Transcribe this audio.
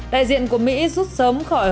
đại diện của mỹ rút sớm khỏi